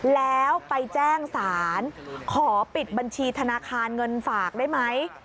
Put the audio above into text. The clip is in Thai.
แล้วไปแจ้งศาลขอปิดบัญชีธนาคารเงินฝากได้ไหม